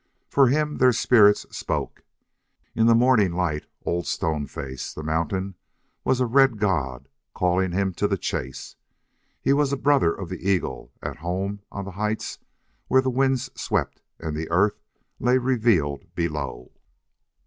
For him their spirits spoke. In the morning light Old Stone Face, the mountain, was a red god calling him to the chase. He was a brother of the eagle, at home on the heights where the winds swept and the earth lay revealed below.